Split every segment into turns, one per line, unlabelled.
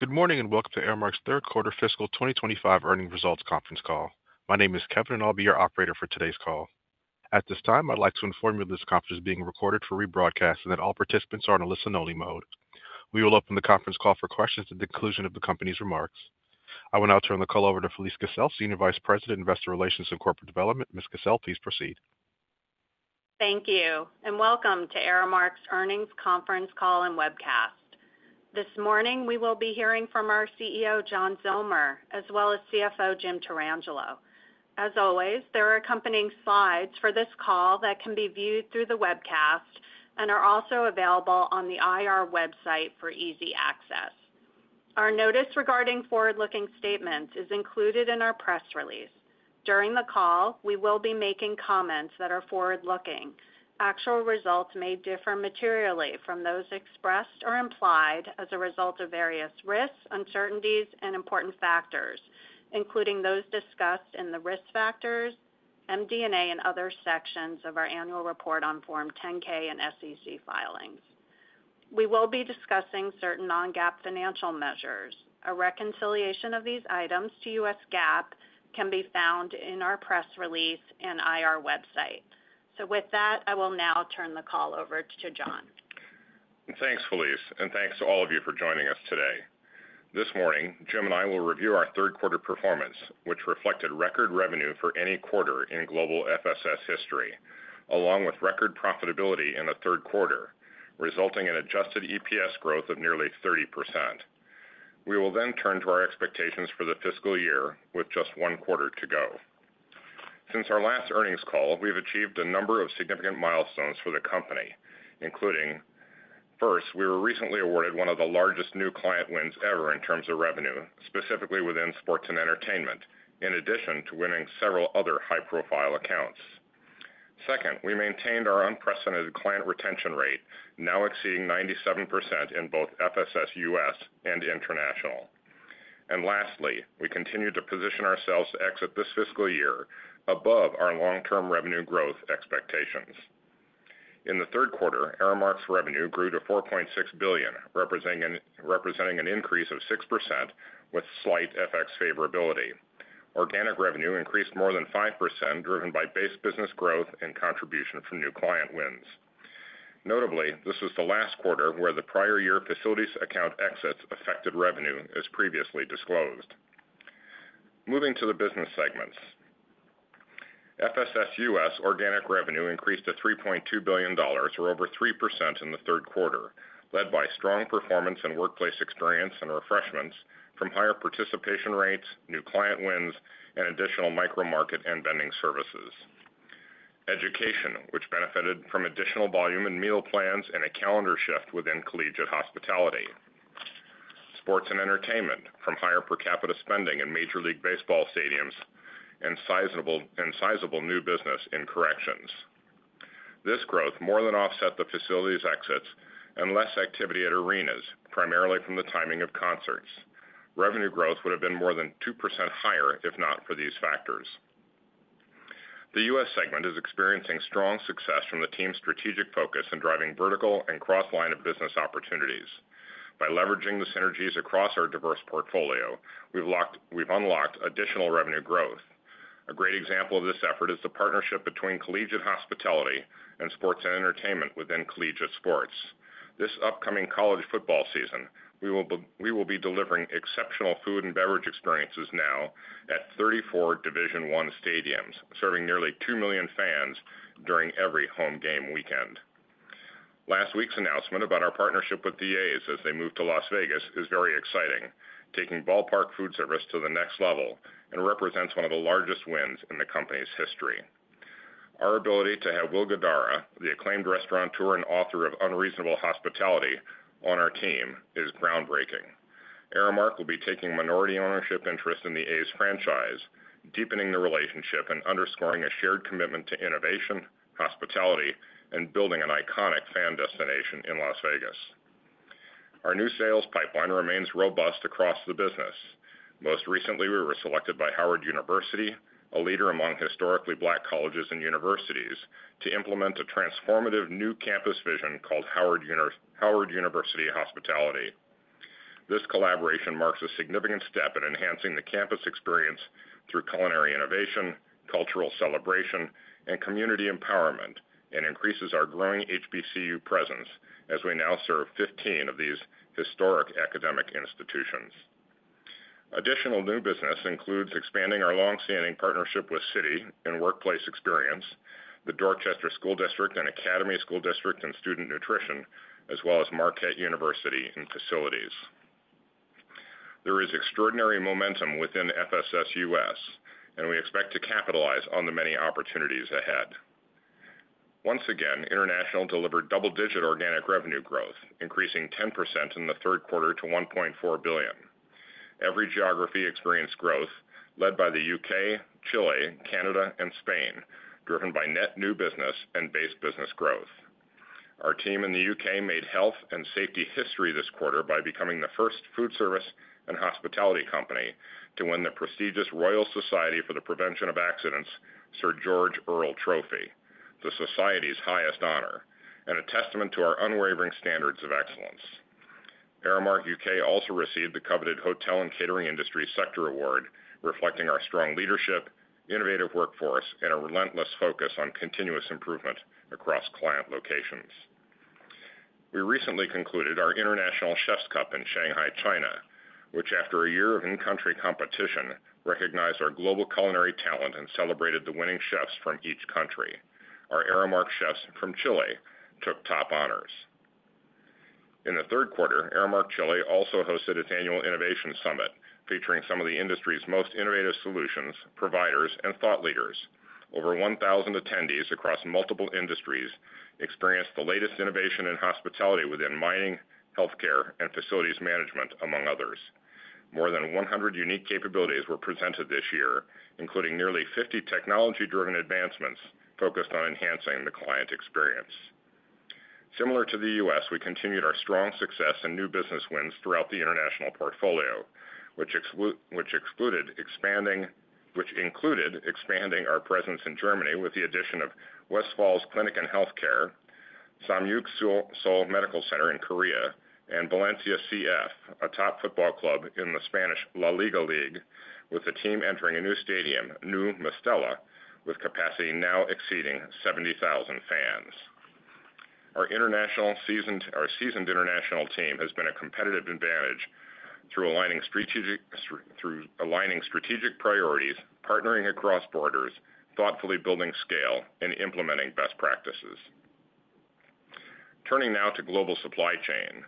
Good morning and welcome to Aramark's third quarter fiscal 2025 earnings results conference call. My name is Kevin and I'll be your operator for today's call. At this time, I'd like to inform this conference is being recorded for rebroadcast and that all participants are in a listen-only mode. We will open the conference call for questions at the conclusion of the company's remarks. I will now turn the call over to Felise Kissell, Senior Vice President, Investor Relations and Corporate Development. Ms. Kissell, please proceed.
Thank you and welcome to Aramark's earnings conference call and webcast. This morning we will be hearing from our CEO John Zillmer as well as CFO Jim Tarangelo. As always, there are accompanying slides for this call that can be viewed through the webcast and are also available on the IR website for easy access. Our notice regarding forward-looking statements is included in our press release. During the call we will be making comments that are forward-looking. Actual results may differ materially from those expressed or implied as a result of various risks, uncertainties, and important factors, including those discussed in the risk factors, MD&A, and other sections of our annual report on Form 10-K and SEC filings. We will be discussing certain non-GAAP financial measures. A reconciliation of these items to U.S. GAAP can be found in our press release and IR website. I will now turn the call over to John.
Thanks Felise and thanks to all of you for joining us today. This morning Jim and I will review our third quarter performance, which reflected record revenue for any quarter in global FSS history, along with record profitability in the third quarter resulting in adjusted EPS growth of nearly 30%. We will then turn to our expectations for the fiscal year. With just one quarter to go since our last earnings call, we have achieved a number of significant milestones for the company, including first, we were recently awarded one of the largest new client wins ever in terms of revenue, specifically within sports and entertainment, in addition to winning several other high profile accounts. Second, we maintained our unprecedented client retention rate, now exceeding 97% in both FSS U.S. and international. Lastly, we continue to position ourselves to exit this fiscal year above our long term revenue growth expectations. In the third quarter, Aramark's revenue grew to $4.6 billion, representing an increase of 6% with slight FX favorability. Organic revenue increased more than 5%, driven by base business growth and contribution from new client wins. Notably, this was the last quarter where the prior year facilities account exits affected revenue as previously disclosed. Moving to the business segments, FSS U.S. organic revenue increased to $3.2 billion, or over 3% in the third quarter, led by strong performance in workplace experience and refreshments from higher participation rates, new client wins, and additional micro market and vending services, education which benefited from additional volume and meal plans and a calendar shift within collegiate hospitality, sports and entertainment from higher per capita spending in Major League Baseball stadiums, and sizable new business in corrections. This growth more than offset the facilities exits and less activity at arenas, primarily from the timing of concerts. Revenue growth would have been more than 2% higher if not for these factors. The U.S. segment is experiencing strong success from the team's strategic focus in driving vertical and cross line of business opportunities. By leveraging the synergies across our diverse portfolio, we've unlocked additional revenue growth. A great example of this effort is the partnership between collegiate hospitality and sports and entertainment within collegiate sports this upcoming college football season. We will be delivering exceptional food and beverage experiences now at 34 Division I stadiums serving nearly 2 million fans during every home game weekend. Last week's announcement about our partnership with the A's as they move to Las Vegas is very exciting, taking ballpark foodservice to the next level and represents one of the largest wins in the company's history. Our ability to have Will Guidara, the acclaimed restaurateur and author of Unreasonable Hospitality, on our team is groundbreaking. Aramark will be taking minority ownership interests in the A's franchise, deepening the relationship and underscoring a shared commitment to innovation, hospitality, and building an iconic fan destination in Las Vegas. Our new sales pipeline remains robust across the business. Most recently, we were selected by Howard University, a leader among historically black colleges and universities, to implement a transformative new campus vision called Howard University Hospitality. This collaboration marks a significant step in enhancing the campus experience through culinary innovation, cultural celebration, and community empowerment and increases our growing HBCU presence as we now serve 15 of these historic academic institutions. Additional new business includes expanding our longstanding partnership with Citi and Workplace Experience, the Dorchester School District and Academy School District in student nutrition, as well as Marquette University and facilities. There is extraordinary momentum within FSS U.S. and we expect to capitalize on the many opportunities ahead. Once again, international delivered double-digit organic revenue growth, increasing 10% in the third quarter to $1.4 billion. Every geography experienced growth, led by the U.K., Chile, Canada, and Spain, driven by net new business and base business growth. Our team in the U.K. made health and safety history this quarter by becoming the first food service and hospitality company to win the prestigious Royal Society for the Prevention of Accidents Sir George Earle Trophy, the Society's highest honor and a testament to our unwavering standards of excellence. Aramark U.K. also received the coveted Hotel and Catering Industry Sector Award, reflecting our strong leadership, innovative workforce, and a relentless focus on continuous improvement across client locations. We recently concluded our international Chef’s Cup in Shanghai, China, which after a year of in-country competition, recognized our global culinary talent and celebrated the winning chefs from each country. Our Aramark chefs from Chile took top honors. In the third quarter, Aramark Chile also hosted its annual Innovation Summit featuring some of the industry's most innovative solutions, providers, and thought leaders. Over 1,000 attendees across multiple industries experienced the latest innovation in hospitality within mining, healthcare, and facilities management among others. More than 100 unique capabilities were presented this year, including nearly 50 technology-driven advancements focused on enhancing the client experience. Similar to the U.S., we continued our strong success in new business wins throughout the international portfolio, which included expanding our presence in Germany with the addition of Westfälische Clinic and Healthcare, Sahmyook Seoul Medical Center in Korea, and Valencia CF, a top football club in the Spanish La Liga league. With the team entering a new stadium, new Mestalla with capacity now exceeding 70,000 fans, our seasoned international team has been a competitive advantage through aligning strategic priorities, partnering across borders, thoughtfully building scale, and implementing best practices. Turning now to global supply chain,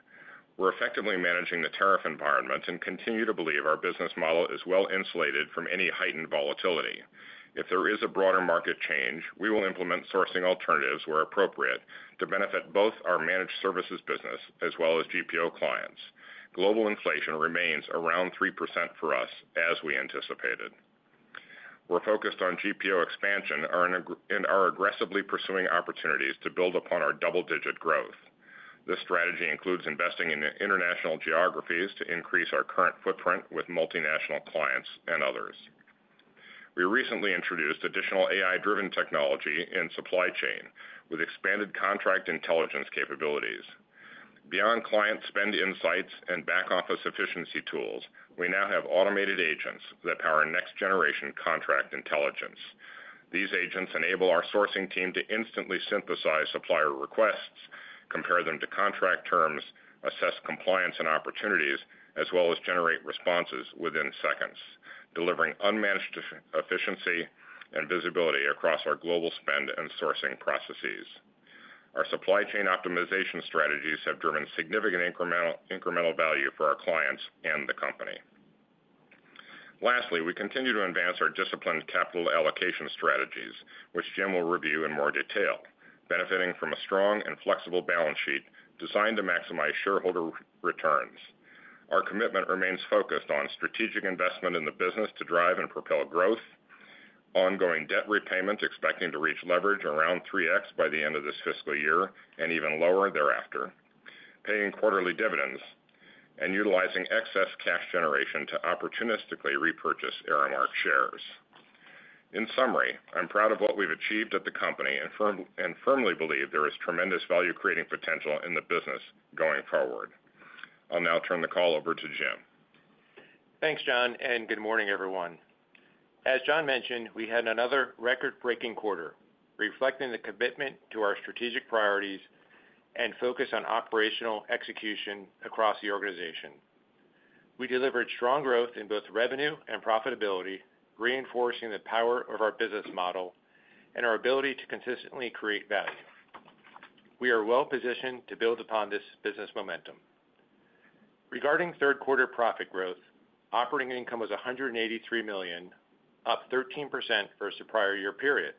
we're effectively managing the tariff environment and continue to believe our business model is well insulated from any heightened volatility. If there is a broader market change, we will implement sourcing alternatives where appropriate to benefit both our managed services business as well as GPO clients. Global inflation remains around 3% for us as we anticipated. We're focused on GPO expansion and are aggressively pursuing opportunities to build upon our double-digit growth. This strategy includes investing in international geographies to increase our current footprint with multinational clients and others. We recently introduced additional AI-driven technology in supply chain with expanded contract intelligence capabilities. Beyond client spend insights and back office efficiency tools, we now have automated agents that power next generation contract intelligence. These agents enable our sourcing team to instantly synthesize supplier requests, compare them to contract terms, assess compliance and opportunities, as well as generate responses within seconds, delivering unmatched efficiency and visibility across our global spend and sourcing processes. Our supply chain optimization strategies have driven significant incremental value for our clients and the company. Lastly, we continue to advance our disciplined capital allocation strategies, which Jim will review in more detail, benefiting from a strong and flexible balance sheet designed to maximize shareholder returns. Our commitment remains focused on strategic investment in the business to drive and propel growth. Ongoing debt repayment, expecting to reach leverage around 3x by the end of this fiscal year and even lower thereafter. Paying quarterly dividends and utilizing excess cash generation to opportunistically repurchase Aramark shares. In summary, I'm proud of what we've achieved at the company and firmly believe there is tremendous value creating potential in the business going forward. I'll now turn the call over to Jim.
Thanks John and good morning everyone. As John mentioned, we had another record-breaking quarter reflecting the commitment to our strategic priorities and focus on operational execution across the organization. We delivered strong growth in both revenue and profitability, reinforcing the power of our business model and our ability to consistently create value. We are well positioned to build upon this business momentum. Regarding third quarter profit growth, operating income was $183 million, up 13% versus the prior year period.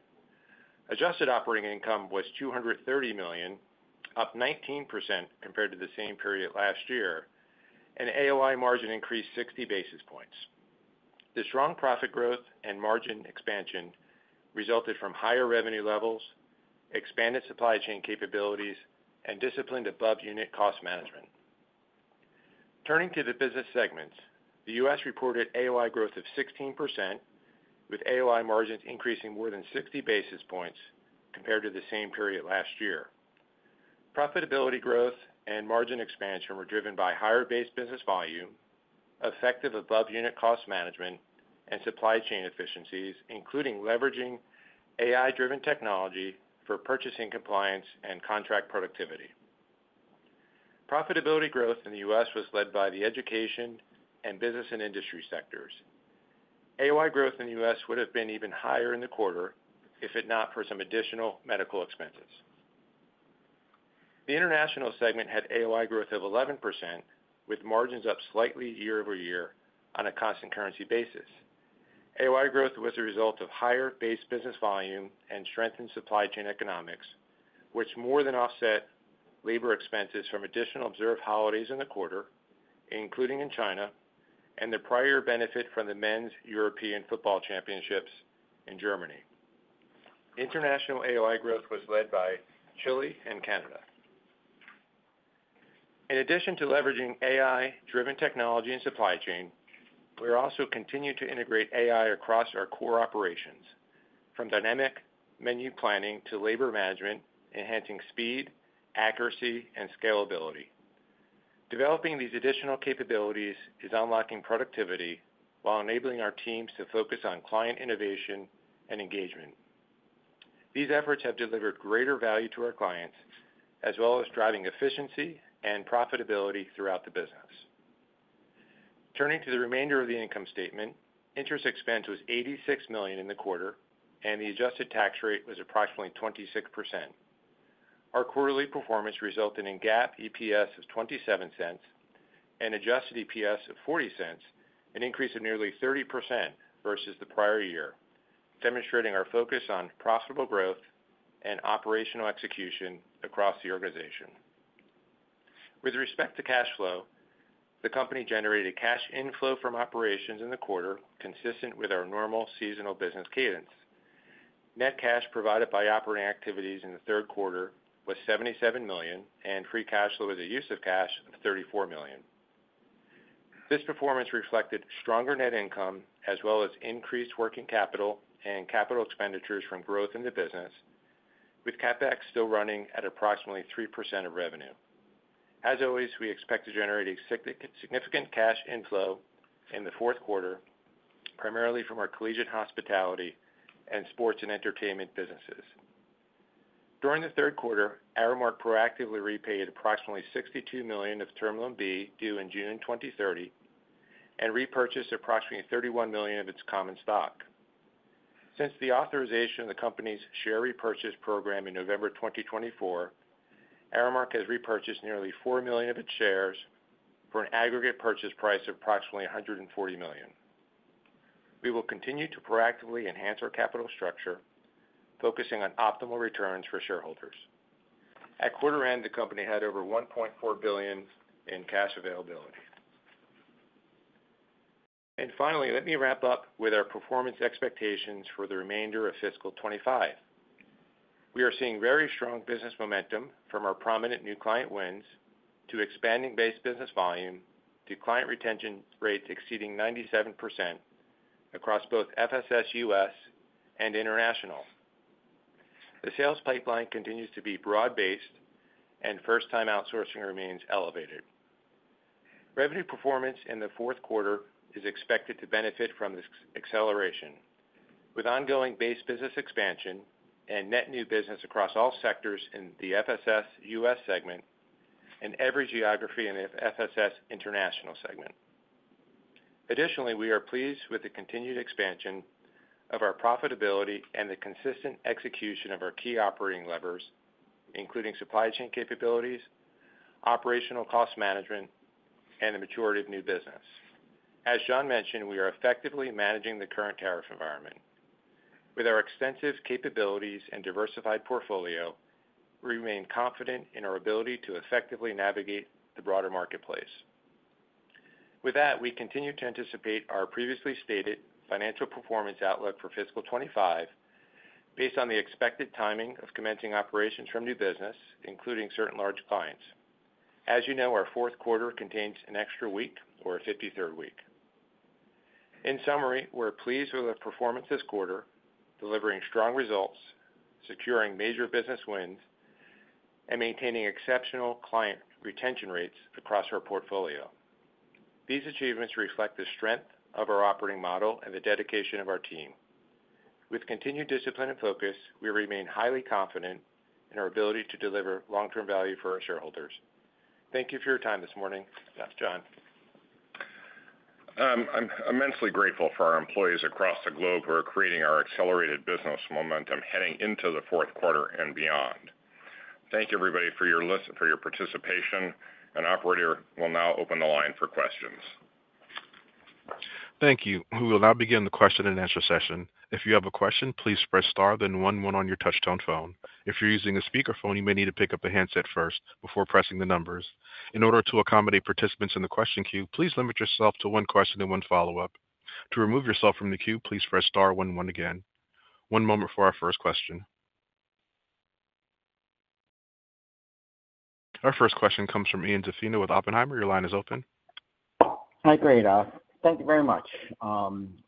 Adjusted operating income was $230 million, up 19% compared to the same period last year, and AOI margin increased 60 basis points. The strong profit growth and margin expansion resulted from higher revenue levels, expanded supply chain capabilities, and disciplined above unit cost management. Turning to the business segments, the U.S. reported AOI growth of 16% with AOI margins increasing more than 60 basis points compared to the same period last year. Profitability growth and margin expansion were driven by higher base business volume, effective above unit cost management, and supply chain efficiencies, including leveraging AI-driven technology for purchasing compliance and contract productivity. Profitability growth in the U.S. was led by the education and business and industry sectors. AOI growth in the U.S. would have been even higher in the quarter if not for some additional medical expenses. The international segment had AOI growth of 11% with margins up slightly year-over-year on a constant currency basis. AOI growth was a result of higher base business volume and strengthened supply chain economics, which more than offset labor expenses from additional observed holidays in the quarter, including in China, and the prior benefit from the Men's European Football Championships in Germany. International AOI growth was led by Chile and Canada. In addition to leveraging AI-driven technology in supply chain, we also continue to integrate AI across our core operations from dynamic menu planning to labor management, enhancing speed, accuracy, and scalability. Developing these additional capabilities is unlocking productivity while enabling our teams to focus on client innovation and engagement. These efforts have delivered greater value to our clients as well as driving efficiency and profitability throughout the business. Turning to the remainder of the income statement, interest expense was $86 million in the quarter and the adjusted tax rate was approximately 26%. Our quarterly performance resulted in GAAP EPS of $0.27 and adjusted EPS of $0.40, an increase of nearly 30% versus the prior year, demonstrating our focus on profitable growth and operational execution across the organization. With respect to cash flow, the company generated cash inflow from operations in the quarter consistent with our normal seasonal business cadence. Net cash provided by operating activities in the third quarter was $77 million and free cash flow with the use of cash of $34 million. This performance reflected stronger net income as well as increased working capital and capital expenditures from growth in the business with CapEx still running at approximately 3% of revenue. As always, we expect to generate a significant cash inflow in the fourth quarter, primarily from our collegiate hospitality and sports and entertainment businesses. During the third quarter, Aramark proactively repaid approximately $62 million of Term Loan B, due in June 2030, and repurchased approximately $31 million of its common stock. Since the authorization of the company's share repurchase program in November 2024, Aramark has repurchased nearly 4 million of its shares. For an aggregate purchase price of approximately $140 million. We will continue to proactively enhance our capital structure, focusing on optimal returns for shareholders. At quarter end, the company had over $1.4 billion in cash availability. Finally, let me wrap up with our performance expectations for the remainder of fiscal 2025. We are seeing very strong business momentum from our prominent new client wins to expanding base business volume to client retention rates exceeding 97% across both FSS U.S. and international. The sales pipeline continues to be broad based and first time outsourcing remains elevated. Revenue performance in the fourth quarter is expected to benefit from this acceleration with ongoing base business expansion and net new business across all sectors in the FSS U.S. segment in every geography in the FSS international segment. Additionally, we are pleased with the continued expansion of our profitability and the consistent execution of our key operating levers, including supply chain capabilities, operational cost management, and the maturity of new business. As John mentioned, we are effectively managing the current tariff environment. With our extensive capabilities and diversified portfolio, we remain confident in our ability to effectively navigate the broader marketplace. With that, we continue to anticipate our previously stated financial performance outlook for fiscal 2025 based on the expected timing of commencing operations from new business, including certain large clients. As you know, our fourth quarter contains an extra week or a 53rd week. In summary, we're pleased with our performance this quarter, delivering strong results, securing major business wins, and maintaining exceptional client retention rates across our portfolio. These achievements reflect the strength of our operating model and the dedication of our team. With continued discipline and focus, we remain highly confident in our ability to deliver long term value for our shareholders. Thank you for your time this morning, John.
I'm immensely grateful for our employees across the globe who are creating our accelerated business momentum heading into the fourth quarter and beyond. Thank you, everybody, for your listen, for your participation, and Operator will now open the line for questions.
Thank you. We will now begin the question and answer session. If you have a question, please press star then one one on your touchtone phone. If you're using a speakerphone, you may need to pick up the handset first. Before pressing the numbers, in order to accommodate participants in the question queue, please limit yourself to one question and one follow-up. To remove yourself from the queue, please press star one one again. One moment for our first question. Our first question comes from Ian Zaffino with Oppenheimer. Your line is open.
Hi, great. Thank you very much.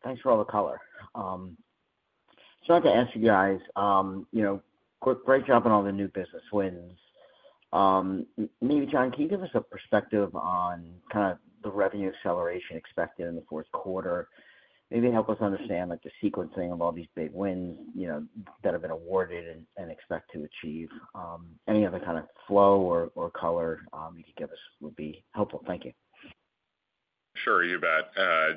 Thanks for all the color. I have to ask you guys, you know, great job on all the new business wins. Maybe John, can you give us a perspective on kind of the revenue acceleration expected in the fourth quarter? Maybe help us understand like the sequencing of all these big wins that have been awarded and expect to achieve any other kind of flow or color you could give us would be helpful. Thank you.
Sure, you bet.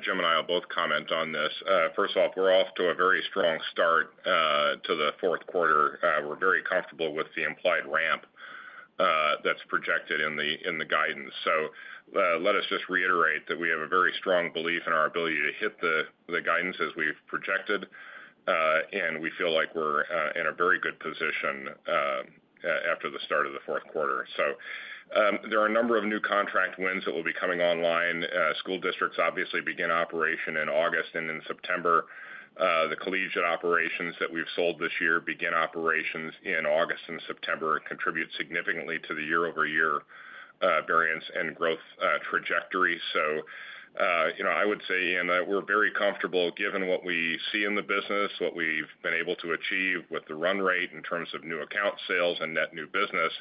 Jim and I will both comment on this. First off, we're off to a very strong start to the fourth quarter. We're very comfortable with the implied ramp that's projected in the guidance. Let us just reiterate that we have a very strong belief in our ability to hit the guidance as we've projected. We feel like we're in a very good position after the start of the fourth quarter. There are a number of new contract wins that will be coming online. School districts obviously begin operation in August and in September, the collegiate operations that we've sold this year begin operations in August and September and contribute significantly to the year-over-year variance and growth trajectory. I would say we're very comfortable given what we see in the business, what we've been able to achieve with the run rate in terms of new account sales and net new business,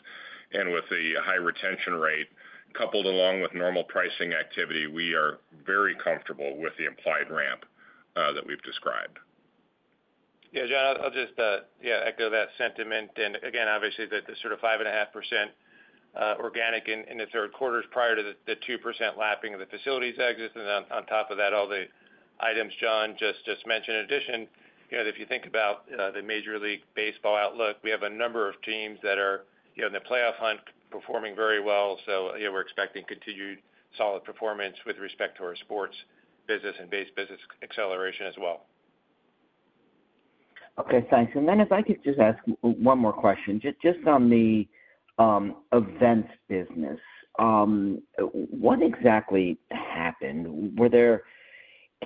and with the high retention rate coupled along with normal pricing activity, we are very comfortable with the implied ramp that we've described.
Yeah, John, I'll just echo that sentiment. Obviously, the sort of 5.5% organic in the third quarter is prior to the 2% lapping of the facilities exits, and on top of that, all the items John just mentioned. In addition, if you think about the Major League Baseball outlook, we have a number of teams that are in the playoff hunt performing very well. We're expecting continued solid performance with respect to our sports business and base business acceleration as well.
Okay, thanks. If I could just ask one more question just on the events business, what exactly happened? Were there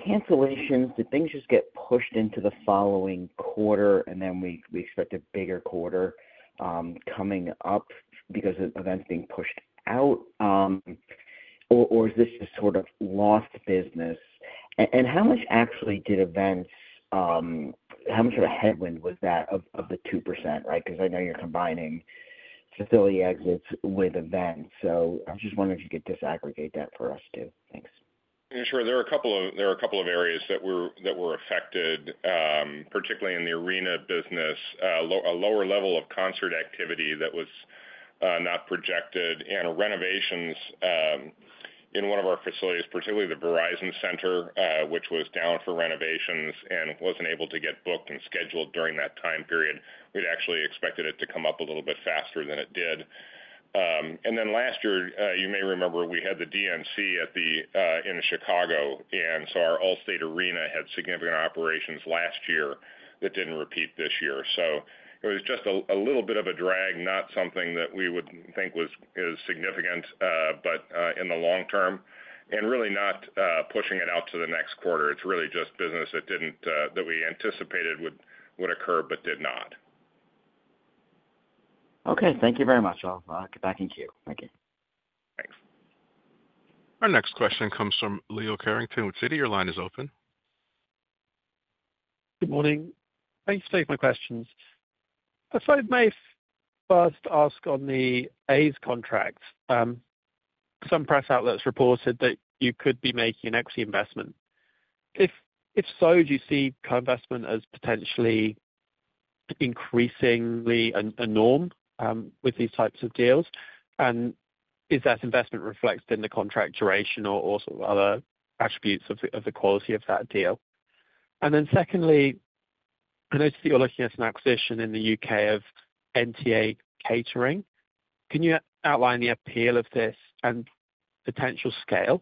cancellations? Did things just get pushed into the following quarter and then we expect a bigger quarter coming up because events being pushed out? Is this just sort of lost business? How much actually did events? How much of a headwind was that of the 2%? Right. Because I know you're combining facility exits with events, I just wonder if you could disaggregate that for us too. Thanks.
Sure. There are a couple of areas that were affected, particularly in the arena business. A lower level of concert activity that was not projected and renovations in one of our facilities, particularly the Verizon Center, which was down for renovations and wasn't able to get booked and scheduled during that time period. We actually expected it to come up a little bit faster than it did. Last year, you may remember, we had the DNC in Chicago and our Allstate Arena had significant operations last year that didn't repeat this year. It was just a little bit of a drag, not something that we would think was significant. In the long term and really not pushing it out to the next quarter, it's really just business that we anticipated would occur, but did not.
Okay, thank you very much. I'll get back in queue. Thank you.
Our next question comes from Leo Carrington with Citi. Your line is open.
Good morning. Please take my questions. If I may first ask, on the A's contract, some press outlets reported that you could be making an equity investment. If so, do you see co-investment as potentially increasingly a norm with these types of deals? Is that investment reflected in the contract duration or other attributes of the quality of that deal? Secondly, I noticed that you're looking at an acquisition in the U.K. of NTA Catering. Can you outline the appeal of this and potential scale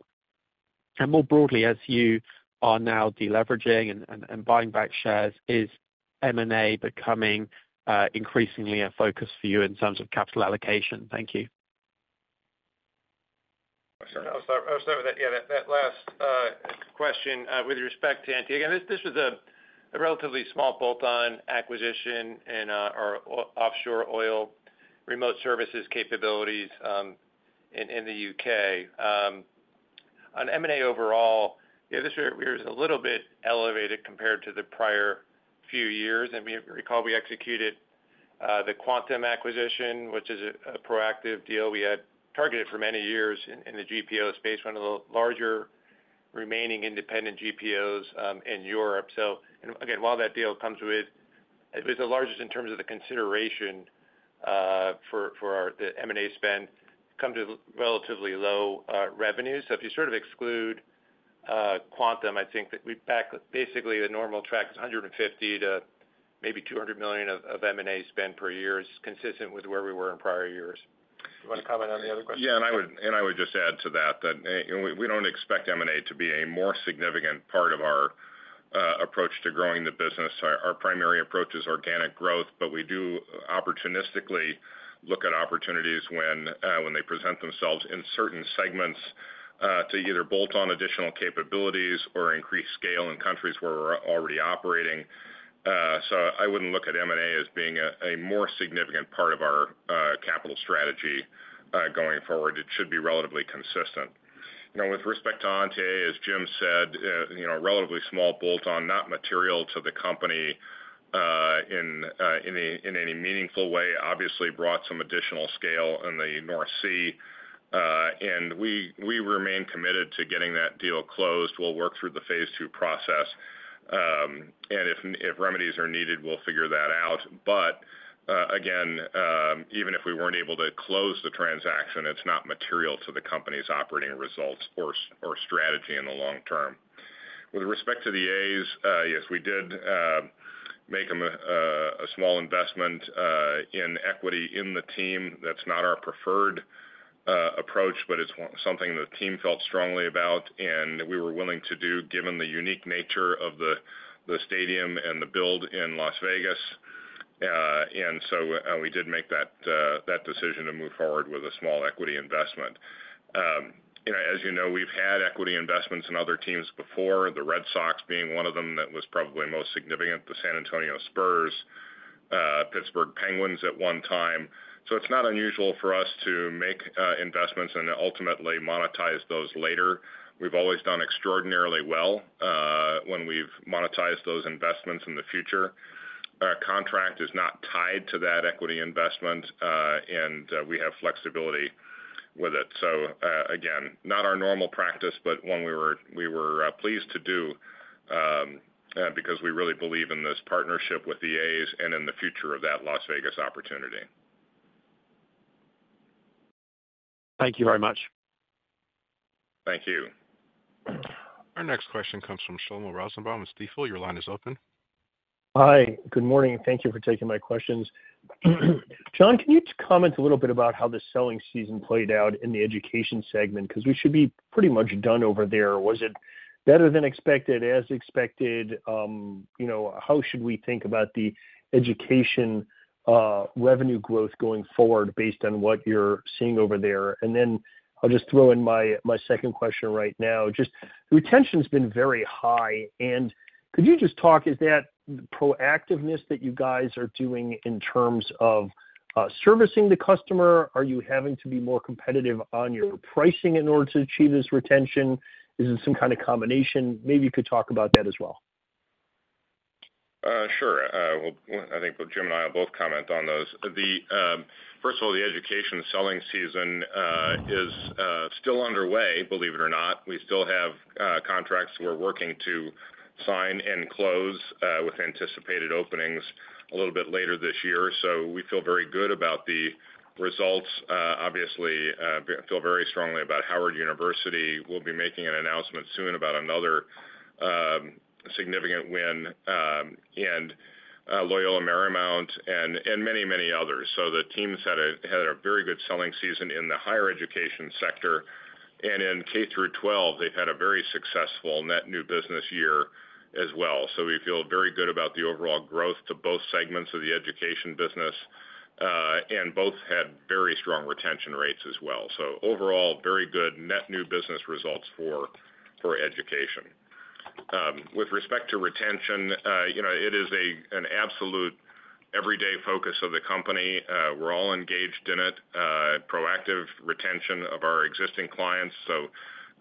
and more broadly as you are now deleveraging and buying back shares, is M&A becoming increasingly a focus for you in terms of capital allocation? Thank you.
I'm sorry, that last question with respect to NTA. This was a relatively small bolt-on acquisition in our offshore oil remote services capabilities in the U.K. On M&A overall, we were a little bit elevated compared to the prior few years. Recall, we executed the Quantum acquisition, which is a proactive deal we had targeted for many years in the GPO space, one of the larger remaining independent GPOs in Europe. While that deal comes with, it was the largest in terms of the consideration for the M&A spend, it came to relatively low revenues. If you sort of exclude Quantum, I think that we are basically back to the normal track of $150 million to maybe $200 million of M&A spend per year, consistent with where we were in prior years. You want to comment on the other question?
Yeah. I would just add to that. We don't expect M&A to be a more significant part of our approach to growing the business. Our primary approach is organic growth, but we do opportunistically look at opportunities when they present themselves in certain segments to either bolt on additional capabilities or increase scale in countries where we're already operating. I wouldn't look at M&A as being a more significant part of our capital strategy going forward. It should be relatively consistent. With respect to NTA, as Jim said, relatively small bolt-on, not material to the company in any meaningful way. Obviously brought some additional scale in the North Sea, and we remain committed to getting that deal closed. We'll work through the phase two process, and if remedies are needed, we'll figure that out. Again, even if we weren't able to close the transaction, it's not material to the company's operating results or strategy in the long term. With respect to the A's, yes, we did make a small investment in equity in the team. That's not our preferred approach, but it's something the team felt strongly about and we were willing to do given the unique nature of the stadium and the build in Las Vegas. We did make that decision to move forward with a small equity investment. As you know, we've had equity investments in other teams before, the Red Sox being one of them that was probably most significant, the San Antonio Spurs, Pittsburgh Penguins at one time. It's not unusual for us to make investments and ultimately monetize those later. We've always done extraordinarily well when we've monetized those investments in the future. Our contract is not tied to that equity investment and we have flexibility. Not our normal practice, but one we were pleased to do because we really believe in this partnership with the A's and in the future of that Las Vegas opportunity.
Thank you very much.
Thank you.
Our next question comes from Shlomo Rosenbaum with Stifel. Your line is open.
Hi. Good morning. Thank you for taking my questions. John, can you comment a little bit about how the selling season played out in the education segment? Because we should be pretty much done over there. Was it better than expected, as expected? How should we think about the education revenue growth going forward based on what you're seeing over there? I'll just throw in my second question right now. Retention's been very high. Could you just talk, is that proactiveness that you guys are doing in terms of servicing the customer, are you having to be more competitive on your pricing in order to achieve this retention? Is it some kind of combination? Maybe you could talk about that as well.
Sure. I think Jim and I will both comment on those. First of all, the education selling season is still underway, believe it or not. We still have contracts we're working to sign and close with anticipated openings a little bit later this year. We feel very good about the results, obviously feel very strongly about Howard University. We'll be making an announcement soon about another significant win in Loyola Marymount and many, many others. The teams had a very good selling season in the higher education sector and in K-12, they've had a very successful net new business year. We feel very good about the overall growth to both segments of the education business, and both had very strong retention rates as well. Overall, very good net new business results for education. With respect to retention, it is an absolute everyday focus of the company. We're all engaged in it, proactive retention of our existing clients,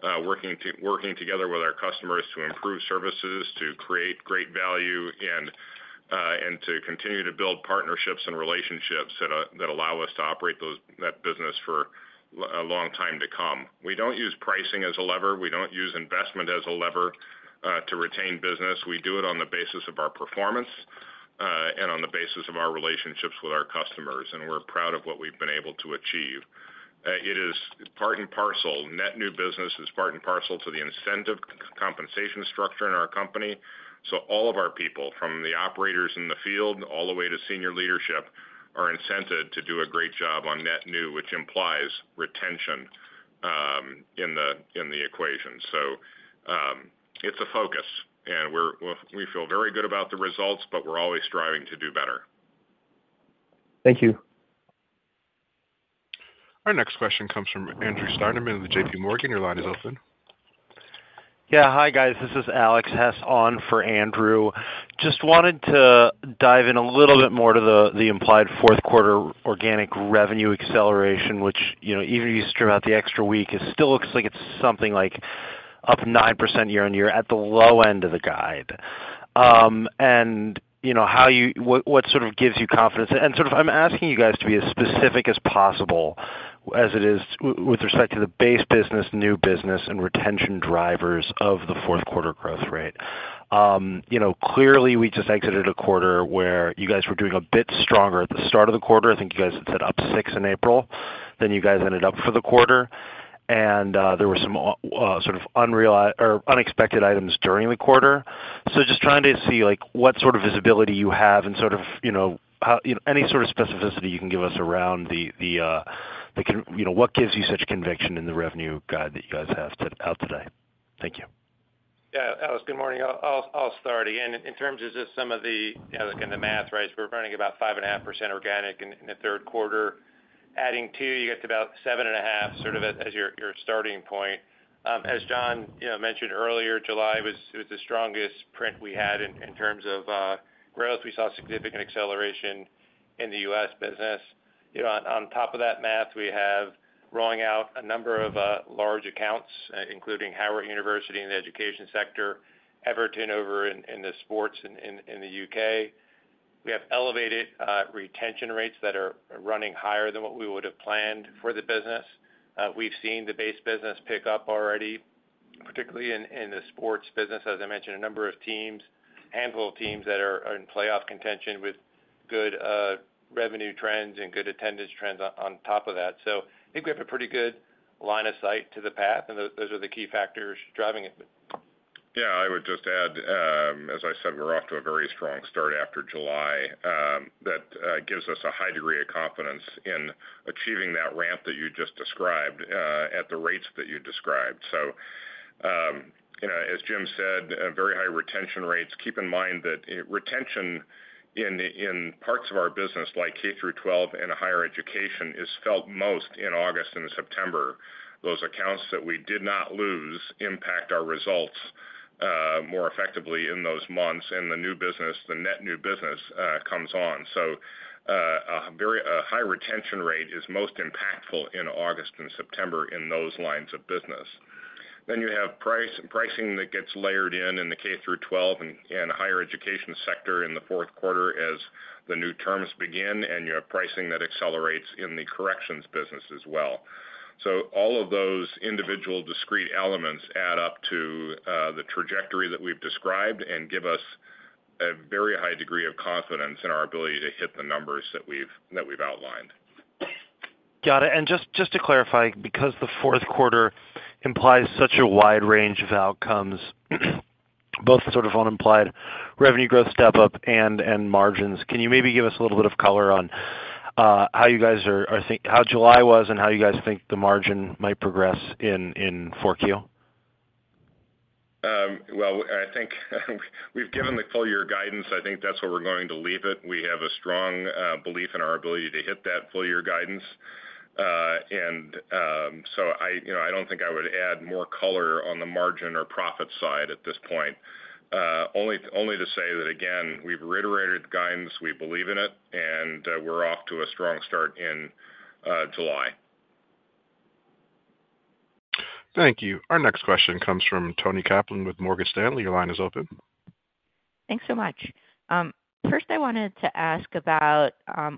working together with our customers to improve services, to create great value, and to continue to build partnerships and relationships that allow us to operate that business for a long time to come. We don't use pricing as a lever. We don't use investment as a lever to retain business. We do it on the basis of our performance and on the basis of our relationships with our customers. We're proud of what we've been able to achieve. It is part and parcel. Net new business is part and parcel to the incentive compensation structure in our company. All of our people from the operators in the field all the way to senior leadership are incented to do a great job on net new, which implies retention in the equation. It's a focus and we feel very good about the results, but we're always striving to do better.
Thank you.
Our next question comes from Andrew Steinerman of the JPMorgan. Your line is open.
Yeah. Hi, guys. This is Alex Hess on for Andrew. Just wanted to dive in a little bit more to the implied fourth quarter organic revenue acceleration, which even if you stream out the extra week, it still looks like it's something like up 9% year on year at the low end of the guide. What gives you confidence? I'm asking you guys to be as specific as possible as it is with respect to the base business, new business and retention drivers of the fourth quarter growth rate. Clearly we just exited a quarter where you guys were doing a bit stronger at the start of the quarter. I think you guys said up 6% in April, then you guys ended up for the quarter and there were some unexpected items during the quarter. Just trying to see what sort of visibility you have and any sort of specificity you can give us around what gives you such conviction in the revenue guide that you guys have set out today. Thank you.
Yeah, Alex, good morning. I'll start again. In terms of just some of the math, right, we're running about 5.5% organic in the third quarter. Adding two, you get to about 7.5% sort of as your starting point. As John mentioned earlier, July was the strongest print we had in terms of growth. We saw significant acceleration in the U.S. business. On top of that math, we have rolling out a number of large accounts including Howard University in the education sector, Everton over in the sports in the U.K. We have elevated retention rates that are running higher than what we would have planned for the business. We've seen the base business pick up already, particularly in the sports business. As I mentioned, a number of teams, handful of teams that are in playoff contention with good revenue trends and good attendance trends on top of that. I think we have a pretty good line of sight to the path and those are the key factors driving it.
Yeah, I would just add, as I said, we're off to a very strong start after July. That gives us a high degree of confidence in achieving that ramp that you just described at the rates that you described. As Jim said, very high retention rates. Keep in mind that retention in parts of our business like K-12 and higher education is felt most in August and September. Those accounts that we did not lose impact our results more effectively in those months, and the new business, the net new business, comes on. A high retention rate is most impactful in August and September in those lines of business. You have pricing that gets layered in in the K-12 and higher education sector in the fourth quarter as the new terms begin, and you have pricing that accelerates in the corrections business as well. All of those individual discrete elements add up to the trajectory that we've described and give us a very high degree of confidence in our ability to hit the numbers that we've outlined.
Got it. Just to clarify, because the fourth quarter implies such a wide range of outcomes, both sort of unimplied revenue growth, step up in margins, can you maybe give us a little bit of color on how you guys are, how July was, and how you guys think the margin might progress in 4Q?
I think we've given the full year guidance. I think that's where we're going to leave it. We have a strong belief in our ability to hit that full year guidance. I don't think I would add more color on the margin or profit side at this point, only to say that again, we've reiterated guidance, we believe in it, and we're off to a strong start in July.
Thank you. Our next question comes from Toni Kaplan with Morgan Stanley. Your line is open.
Thanks so much. First, I wanted to ask about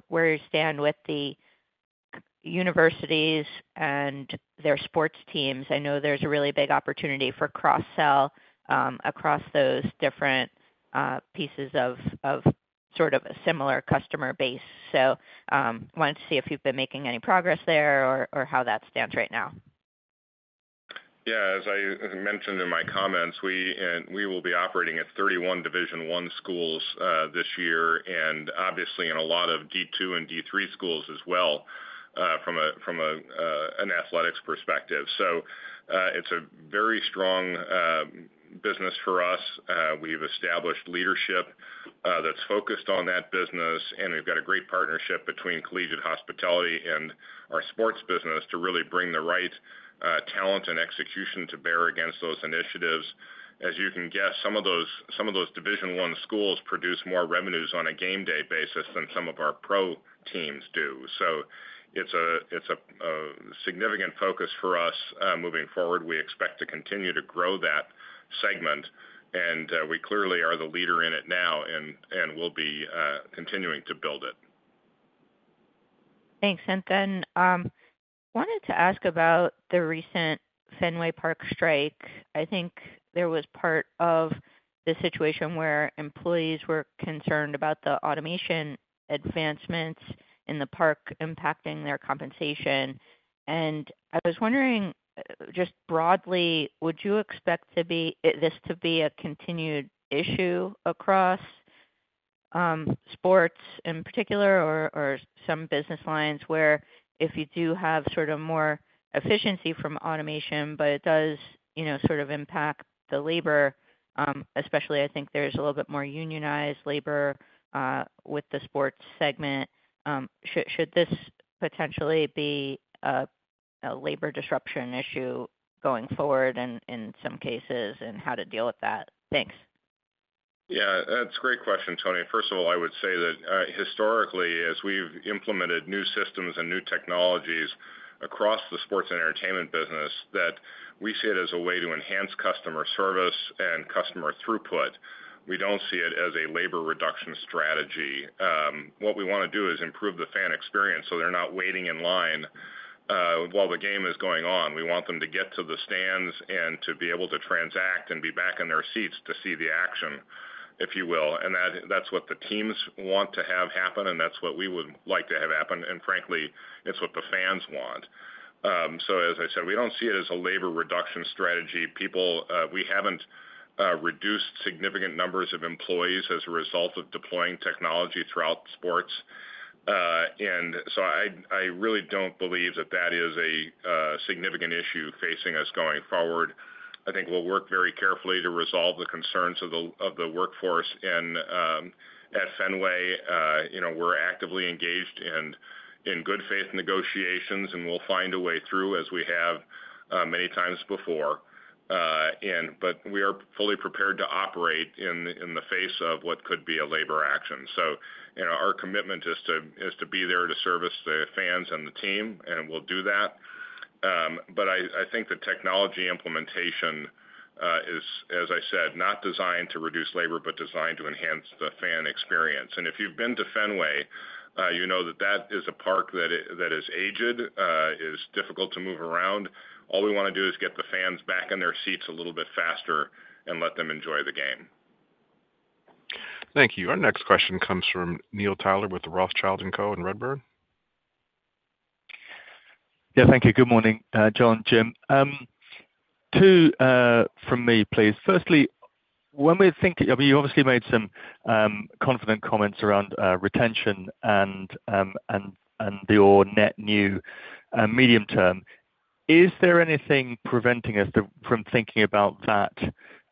where you stand with the universities and their sports teams. I know there's a really big opportunity for cross sell across those different pieces of sort of a similar customer base. I wanted to see if you've been making any progress there or how that stands right now.
Yeah. As I mentioned in my comments, we will be operating at 31 Division I schools this year and obviously in a lot of D2 and D3 schools as well from an athletics perspective. It is a very strong business for us. We have established leadership that's focused on that business and we have got a great partnership between collegiate hospitality and our sports business to really bring the right talent and execution to bear against those initiatives. As you can guess, some of those Division I schools produce more revenues on a game day basis than some of our pro teams do. It is a significant focus for us moving forward. We expect to continue to grow that segment and we clearly are the leader in it now and we will be continuing to build it.
Thanks. I wanted to ask about the recent Fenway Park strike. I think there was part of the situation where employees were concerned about the automation advancements in the park impacting their compensation. I was wondering just broadly, would you expect this to be a continued issue across sports in particular or some business lines where if you do have sort of more efficiency from automation, but it does sort of impact the labor especially? I think there's a little bit more unionized labor with the sports segment. Should this potentially be a labor disruption issue going forward in some cases and how to deal with that. Thanks.
Yeah, that's a great question, Toni. First of all, I would say that historically, as we've implemented new systems and new technologies across the sports and entertainment business, we see it as a way to enhance customer service and customer throughput. We don't see it as a labor reduction strategy. What we want to do is improve the fan experience so they're not waiting in line while the game is going on. We want them to get to the stands and to be able to transact and be back in their seats to see the action, if you will. That's what the teams want to have happen and that's what we would like to have happen. Frankly, it's what the fans want. As I said, we don't see it as a labor reduction strategy, people. We haven't reduced significant numbers of employees as a result of deploying technology throughout sports. I really don't believe that is a significant issue facing us going forward. I think we'll work very carefully to resolve the concerns of the workforce. At Fenway, we're actively engaged in good faith negotiations and we'll find a way through as we have many times before. We are fully prepared to operate in the face of what could be a labor action. Our commitment is to be there to service the fans and the team and we'll do that. I think the technology implementation is, as I said, not designed to reduce labor, but designed to enhance the fan experience. If you've been to Fenway, you know that is a park that is aged, is difficult to move around. All we want to do is get the fans back in their seats a little bit faster and let them enjoy the game.
Thank you. Our next question comes from Neil Tyler with Rothschild & Co Redburn.
Yeah, thank you. Good morning, John. Jim. Two from me, please. Firstly, when we're thinking, you obviously made some confident comments around retention and your net new medium term, is there anything preventing us from thinking about that,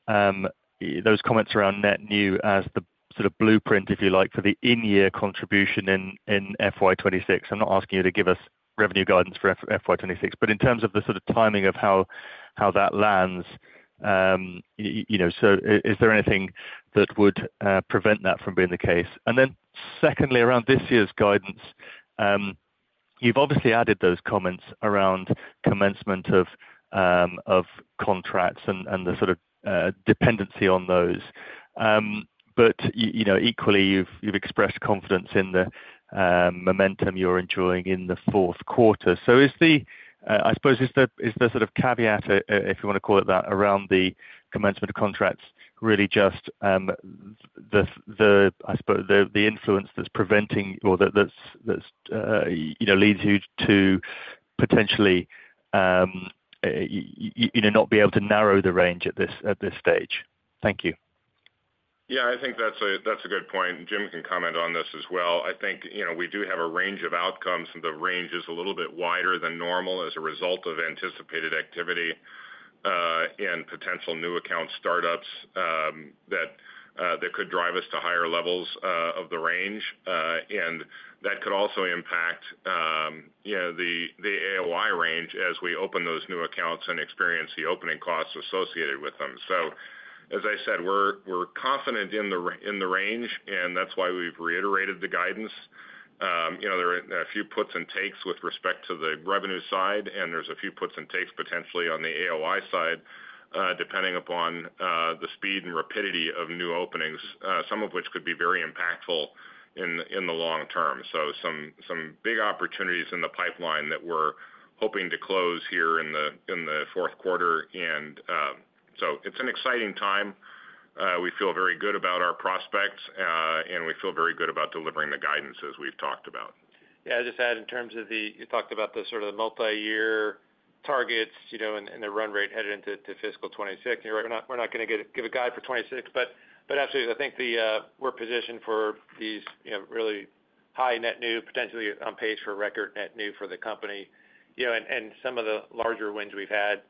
those comments around net new as the sort of blueprint, if you like, for the in year contribution in FY 2026? I'm not asking you to give us revenue guidance for FY 2026, but in terms of the sort of timing of how that lands, is there anything that would prevent that from being the case? Secondly, around this year's guidance, you've obviously added those comments around commencement of contracts and the sort of dependency on those. Equally, you've expressed confidence in the momentum you're enjoying in the fourth quarter. I suppose is the sort of caveat, if you want to call it that, around the commencement of contracts really just the influence that's preventing or that leads you to potentially not be able to narrow the range at this stage. Thank you.
Yeah, I think that's a good point. Jim can comment on this as well. I think we do have a range of outcomes. The range is a little bit wider than normal as a result of anticipated activity and potential new account startups that could drive us to higher levels of the range, and that could also impact the AOI range as we open those new accounts and experience the opening costs associated with them. As I said, we're confident in the range and that's why we've reiterated the guidance. There are a few puts and takes with respect to the revenue side, and there's a few puts and takes potentially on the AOI side depending upon the speed and rapidity of new openings, some of which could be very impactful in the long term. There are some big opportunities in the pipeline that we're hoping to close here in the fourth quarter. It's an exciting time. We feel very good about our prospects, and we feel very good about delivering the guidance as we've talked about.
Yeah, I'll just add in terms of the, you talked about the sort of multi-year targets and the run rate headed into fiscal 2026. We're not going to give a guide for 2026, but absolutely I think we're positioned for these really high net new, potentially on pace for record net new for the company and some of the larger wins we've had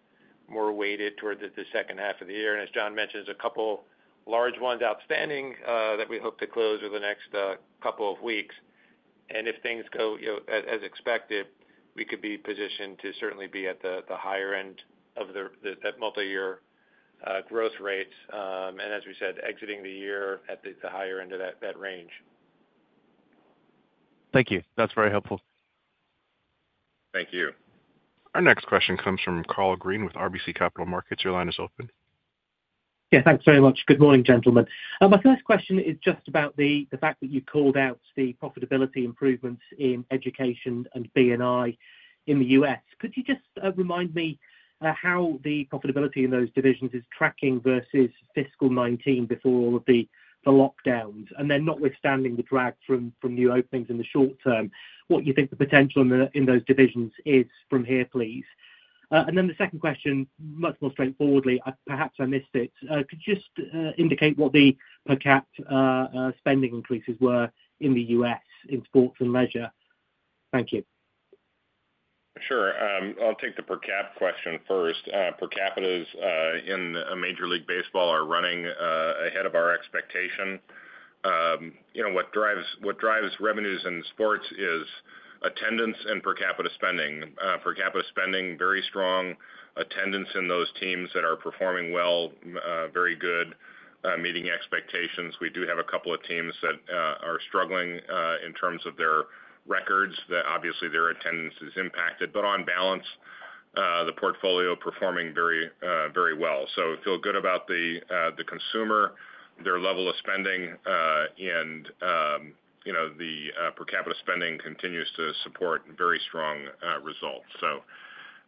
more weighted toward the second half of the year. As John mentioned, a couple large ones outstanding that we hope to close over the next couple of weeks, and if things go as expected, we could be positioned to certainly be at the higher end of that multi-year growth rates and as we said, exiting the year at the higher end of that range.
Thank you, that's very helpful.
Thank you.
Our next question comes from Karl Green with RBC Capital Markets. Your line is open.
Yeah, thanks very much. Good morning, gentlemen. My first question is just about the fact that you called out the profitability improvements in education and B&I in the U.S. Could you just remind me how the profitability in those divisions is tracking versus fiscal 2019 before all of the lockdowns, and then notwithstanding the drag from new openings in the short term, what you think the potential in those divisions is from here, please. The second question, much more straightforwardly, perhaps I missed it. Could you just indicate what the per cap spending increases were in the U.S. in sports and leisure. Thank you.
Sure. I'll take the per cap question first. Per capita in Major League Baseball are running ahead of our expectation. You know what drives revenues in sports is attendance and per capita spending. Per capita spending, very strong attendance in those teams that are performing well, very good, meeting expectations. We do have a couple of teams that are struggling in terms of their records. Obviously their attendance is impacted, but on balance the portfolio performing very, very well. We feel good about the consumer, their level of spending and the per capita spending continues to support very strong results.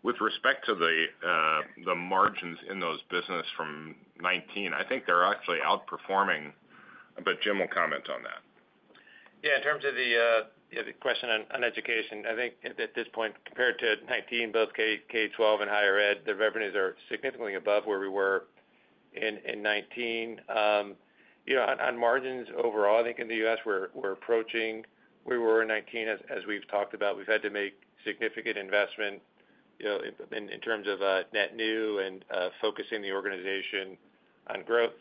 With respect to the margins in those business from, I think they're actually outperforming. Jim will comment on that.
Yeah. In terms of the question on education, I think at this point, compared to 2019, both K-12 and higher ed, the revenues are significantly above where we were in 2019. On margins overall, I think in the U.S. we're approaching where we were in 2019. As we've talked about, we've had to make significant investment in terms of net new and focusing the organization on growth.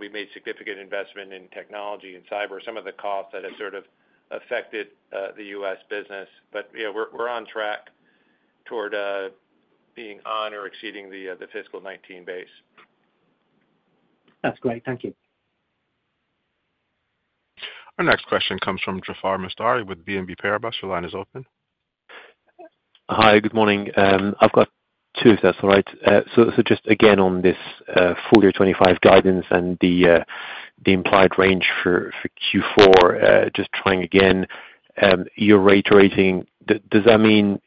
We've made significant investment in technology and cyber. Some of the costs that have sort of affected the U.S. business. We're on track toward being on or exceeding the fiscal 2019 base.
That's great. Thank you.
Our next question comes from Jaafar Mestari with BNP Paribas. Your line is open.
Hi, good morning. I've got two. That's all right. On this full year 2025 guidance and the implied range for Q4, just trying again. You're reiterating. Does that mean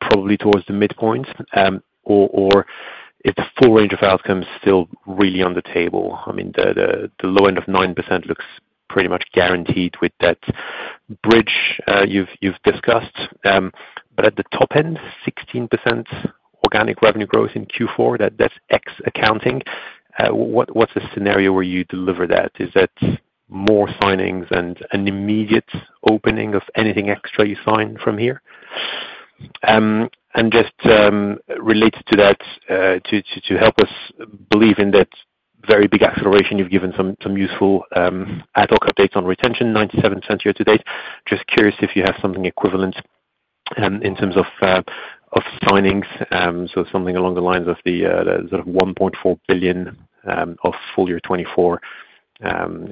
probably towards the midpoint, or is the full range of outcomes still really on the table? The low end of 9% looks pretty much guaranteed with that bridge you've discussed. At the top end, 16% organic revenue growth in Q4, that's ex accounting. What's the scenario where you deliver that? Is that more signings and an immediate opening of anything extra you sign from here? Related to that, to help us believe in that very big acceleration, you've given some useful ad hoc updates on retention, 97% year to date. Just curious if you have something equivalent in terms of signings, something along the lines of the $1.4 billion of full year 2024.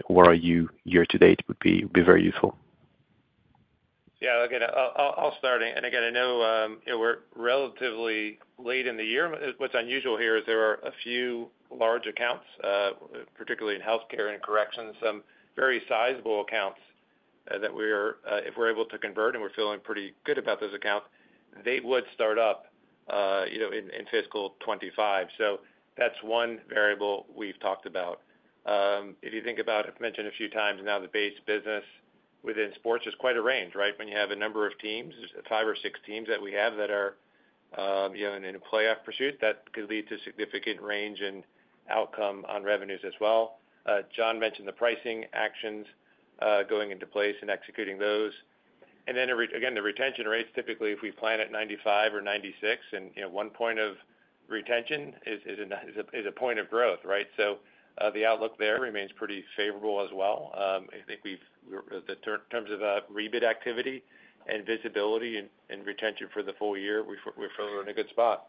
Where are you year to date would be very useful.
I'll start. I know we're relatively late in the year. What's unusual here is there are a few large accounts, particularly in health care and corrections, some very sizable accounts that, if we're able to convert and we're feeling pretty good about those accounts, they would start up in fiscal 2025. That's one variable we've talked about. If you think about, I've mentioned a few times now, the base business within sports is quite a range. When you have a number of teams, five or six teams that we have, that are in a playoff pursuit, that could lead to significant range and outcome on revenues as well. John mentioned the pricing actions going into place and executing those. The retention rates, typically if we plan at 95% or 96% and one point of retention is a point of growth. Right. The outlook there remains pretty favorable as well. I think in terms of rebid activity, visibility, and retention for the full year, we feel we're in a good spot.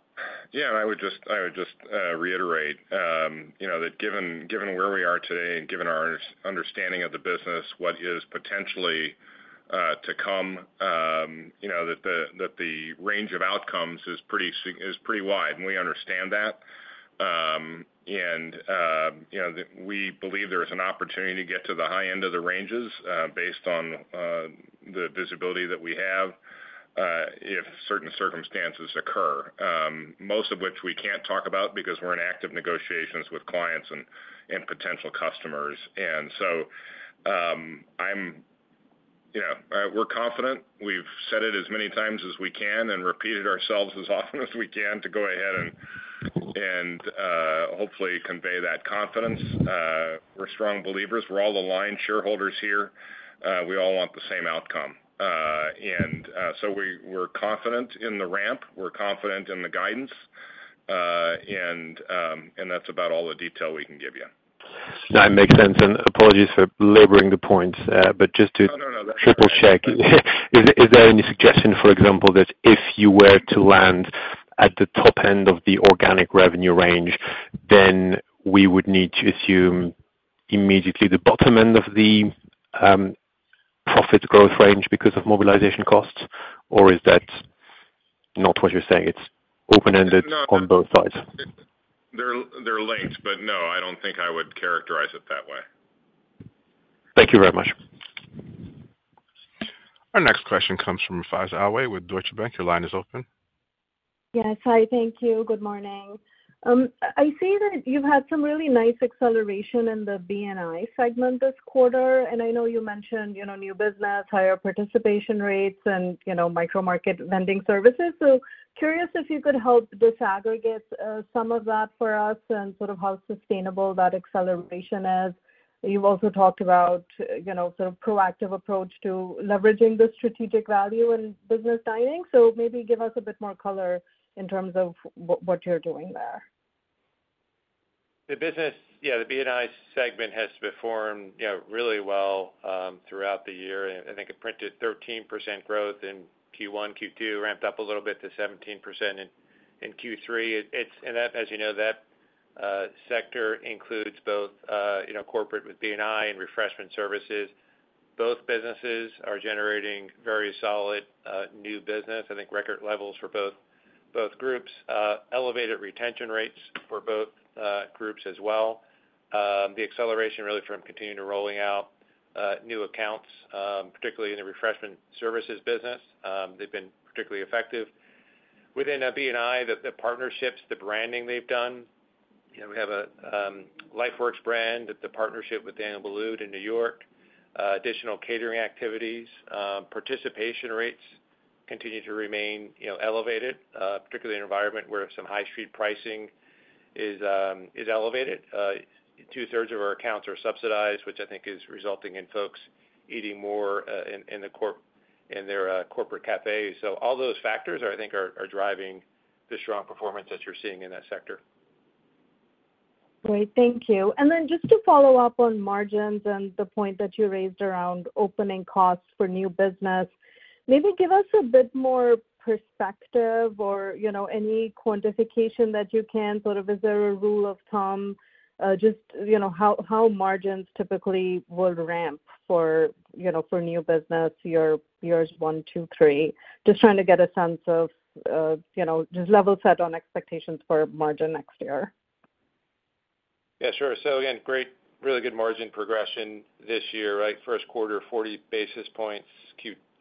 I would just reiterate that given where we are today and given our understanding of the business, what is potentially to come, that the range of outcomes is pretty wide and we understand that and we believe there is an opportunity to get to the high end of the ranges based on the visibility that we have if certain circumstances occur, most of which we can't talk about because we're in active negotiations with clients and potential customers. We're confident, we've said it as many times as we can and repeated ourselves as often as we can to go ahead and hopefully convey that confidence. We're strong believers, we're all aligned shareholders here. We all want the same outcome. We're confident in the ramp, we're confident in the guidance. That's about all the detail we can give you.
That makes sense. Apologies for laboring the points, but just to triple check, is there any suggestion, for example, that if you were to land at the top end of the organic revenue range, then we would need to assume immediately the bottom end of the profit growth range because of mobilization costs, or is that not what you're saying? It's open ended on both sides.
They're late, but no, I don't think I would characterize it that way.
Thank you very much.
Our next question comes from Faiza Alwy with Deutsche Bank. Your line is open.
Yes, hi. Thank you. Good morning. I see that you've had some really nice acceleration in the B&I segment this quarter and I know you mentioned new business, higher participation rates and micro market vending services. Curious if you could help disaggregate some of that for us and sort of how sustainable that acceleration is. You've also talked about sort of proactive approach to leveraging the strategic value in business dining. Maybe give us a bit more color in terms of what you're doing there.
The business. Yeah, the B&I segment has performed really well throughout the year. I think it printed 13% growth in Q1, Q2, ramped up a little bit to 17% in Q3. As you know, that sector includes both corporate with B&I and refreshment services. Both businesses are generating very solid new business. I think record levels for both groups, elevated retention rates for both groups as well. The acceleration is really from continuing to rolling out new accounts, particularly in the refreshment services business. They've been particularly effective within B&I. The partnerships, the branding they've done. You know, we have a LifeWorks brand at the partnership with Daniel Boulud in New York, additional catering activities. Participation rates continue to remain, you know, elevated, particularly in an environment where some high street pricing is elevated. Two thirds of our accounts are subsidized, which I think is resulting in folks eating more in their corporate cafes. All those factors I think are driving the strong performance that you're seeing in that sector.
Great, thank you. Just to follow up on margins and the point that you raised around opening costs for new business, maybe give us a bit more perspective or any quantification that you can sort of. Is there a rule of thumb just how margins typically will ramp for new business years one, two, three? Just trying to get a sense of just level set on expectations for margin next year.
Yeah, sure. Really good margin progression this year. First quarter, 40 basis points.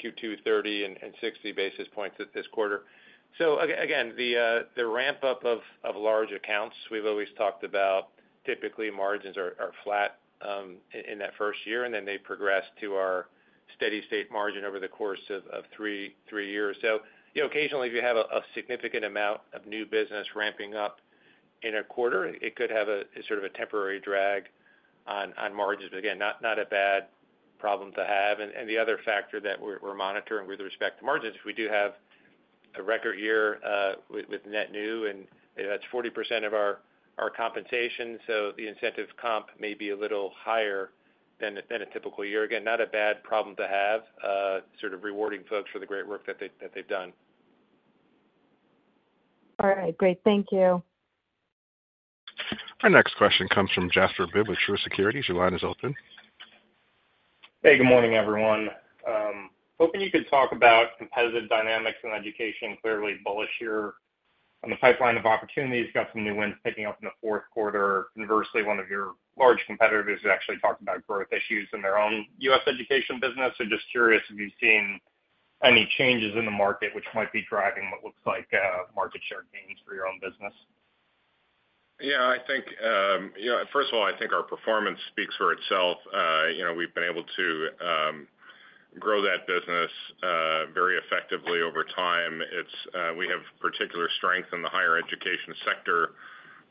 Q2, 30 and 60 basis points this quarter. The ramp up of large accounts we've always talked about, typically margins are flat in that first year and then they progress to our steady state margin over the course of three years. Occasionally, if you have a significant amount of new business ramping up in a quarter, it could have a temporary drag on margins. Not a bad problem to have. The other factor that we're monitoring with respect to margins, we do have a record year with net new and that's 40% of our compensation. The incentive comp may be a little higher than a typical year. Not a bad problem to have. Sort of rewarding folks for the great work that they've done.
All right, great. Thank you.
Our next question comes from Jasper Bibb with Truist Securities. Your line is open.
Good morning everyone. Hoping you could talk about competitive dynamics in education. Clearly bullish you're in the pipeline of opportunities. Got some new wins picking up in the fourth quarter. Conversely, one of your large competitors actually talked about growth issues in their own U.S. education business. Just curious if you've seen any changes in the market which might be driving what looks like market share gains for your own business.
I think first of all, I think our performance speaks for itself. We've been able to grow that business very effectively over time. We have particular strength in the higher education sector.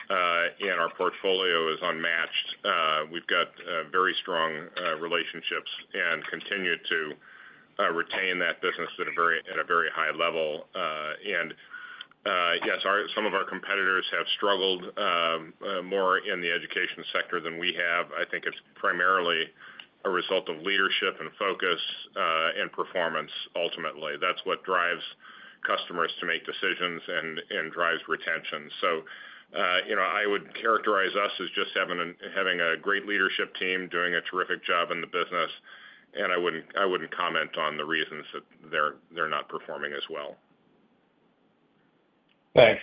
Sector in our portfolio is unmatched. We've got very strong relationships and continue to retain that business at a very high level. Yes, some of our competitors have struggled more in the education sector than we have. I think it's primarily a result of leadership and focus and performance. Ultimately, that's what drives customers to make decisions and drives retention. I would characterize us as just having a great leadership team doing a terrific job in the business. I wouldn't comment on the reasons that they're not performing as well.
Thanks.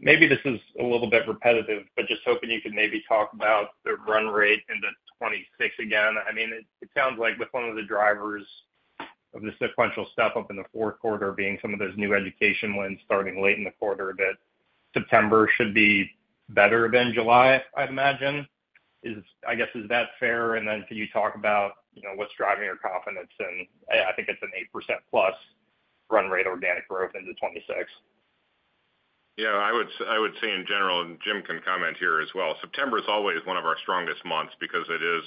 Maybe this is a little bit repetitive, but just hoping you could maybe talk about the run rate in the 2026 again. It sounds like with one of the drivers of the sequential step up in the fourth quarter being some of those new education wins starting late in the quarter, that September should be better than July, I'd imagine. Is that fair? Can you talk about what's driving your confidence? I think it's an 8%+ run rate organic growth into 2026.
I would say in general, and Jim can comment here as well, September is always one of our strongest months because it is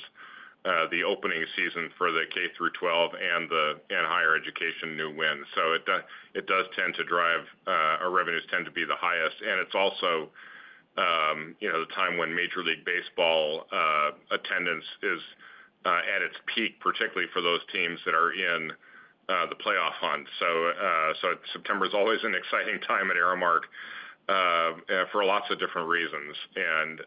the opening season for the K-12 and higher education new win. It does tend to drive our revenues, tend to be the highest, and it's also the time when Major League Baseball attendance is at its peak, particularly for those teams that are in the playoff hunt. September is always an exciting time at Aramark for lots of different reasons.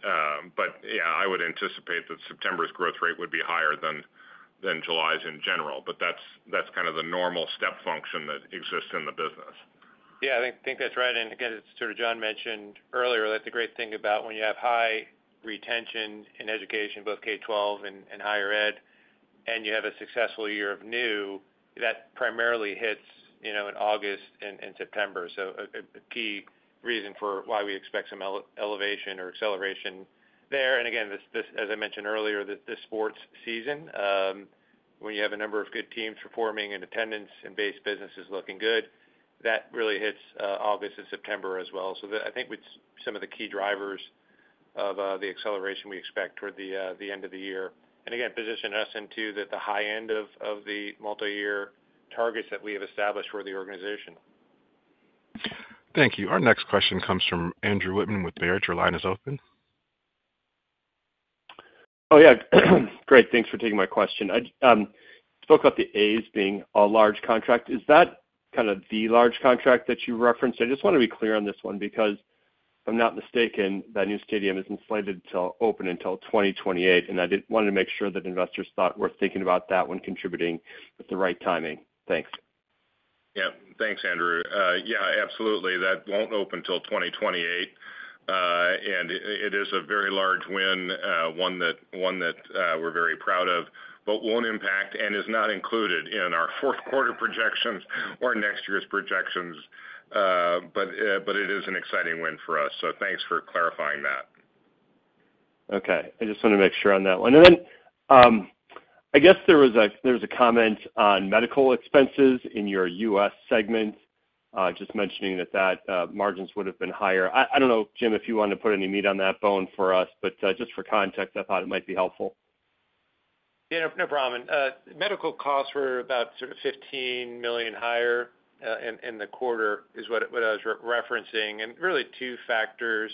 I would anticipate that September's growth rate would be higher than July's in general. That's kind of the normal step function that exists in the business.
Yeah, I think that's right. As John mentioned earlier, the great thing about when you have high retention in education, both K-12 and higher ed, and you have a successful year of new that primarily hits in August and September. A key reason for why we expect some elevation or acceleration there. As I mentioned earlier, this sports season, when you have a number of good teams performing and attendance and base business is looking good, that really hits August and September as well. I think some of the key drivers of the acceleration we expect toward the end of the year position us into the high end of the multi-year targets that we have established for the organization.
Thank you. Our next question comes from Andrew Wittmann with Baird. Your line is open.
Great, thanks for taking my question. You spoke about the A's being a large contract. Is that kind of the large contract that you referenced? I just want to be clear on this one because if I'm not mistaken, that new stadium isn't slated to open until 2028, and I wanted to make sure that investors were thinking about that one contributing with the right timing. Thanks.
Yep, thanks, Andrew. Yeah, absolutely. That won't open until 2028 and it is a very large win, one that we're very proud of but won't impact and is not included in our fourth quarter projections or next year's projections. It is an exciting win for us. Thanks for clarifying that.
Okay, I just want to make sure on that one. I guess there was a comment on medical expenses in your U.S. segment, just mentioning that margins would have been higher. I don't know, Jim, if you wanted to put any meat on that bone for us, but just for context, I thought it might be helpful.
Yeah, no problem. Medical costs were about $15 million higher in the quarter is what I was referencing. Really, two factors